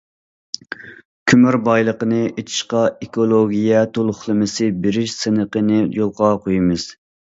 كۆمۈر بايلىقىنى ئېچىشقا ئېكولوگىيە تولۇقلىمىسى بېرىش سىنىقىنى يولغا قويىمىز.